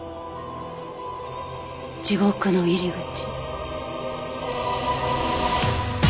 地獄の入り口。